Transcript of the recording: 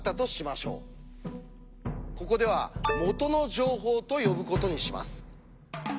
ここでは「元の情報」と呼ぶことにします。